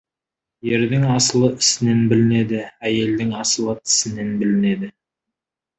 Ердің асылы ісінен білінеді, әйелдің асылы тісінен білінеді.